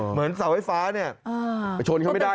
เหมือนเสาไฟฟ้าเนี่ยไปชนเขาไม่ได้